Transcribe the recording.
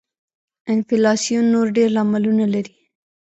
انفلاسیون نور ډېر لاملونه لري.